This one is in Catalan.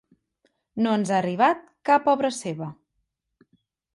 No ens ha arribat cap obra seva.